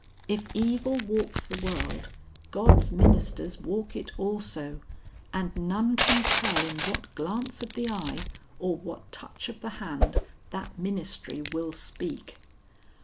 If evil walks the world, God's ministers walk it also, and none can tell in what glance of the eye or what touch of the hand, that ministry will speak."